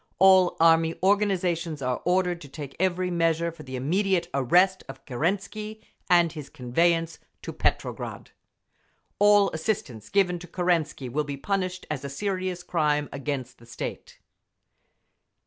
All Army organisations are ordered to take every measure for the immediate arrest of Kerensky and his conveyance to Petrograd. "All assistance given to Kerensky will be punished as a serious crime against the state."